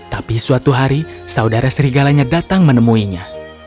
tapi suatu hari saudara serigalanya datang menemuinya